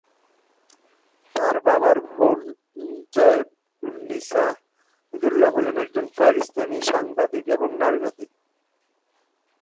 তার বাবার বোন জায়েব-উন-নিসা হামিদুল্লাহ হলেন একজন পাকিস্তানি সাংবাদিক এবং নারীবাদী।